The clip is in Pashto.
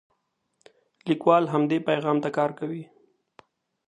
لیکوال همدې پیغام ته کار کوي.